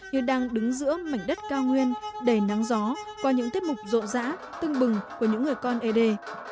như đang đứng giữa mảnh đất cao nguyên đầy nắng gió qua những tiết mục rộn rã tưng bừng của những người con ế đê